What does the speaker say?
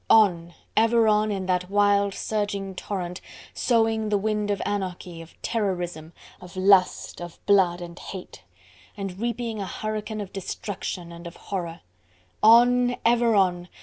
On! ever on! in that wild, surging torrent; sowing the wind of anarchy, of terrorism, of lust of blood and hate, and reaping a hurricane of destruction and of horror. On! ever on!